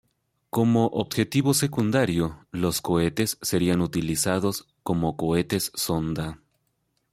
Como objetivo secundario, los cohetes serían utilizados como cohetes sonda.